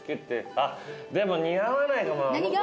あっでも似合わないかも。